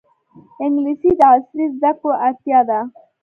انګلیسي د عصري زده کړو اړتیا ده